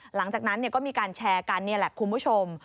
หลังจากนั้นก็มีการแชร์กันนี่แหละคุณผู้ชม